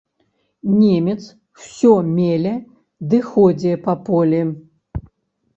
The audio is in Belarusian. Немец усё меле ды ходзе па полі.